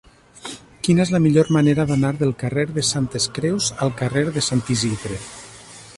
Quina és la millor manera d'anar del carrer de Santes Creus al carrer de Sant Isidre?